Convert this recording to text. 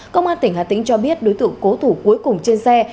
công an tỉnh hà tĩnh cho biết đối tượng cố thủ cuối cùng trên xe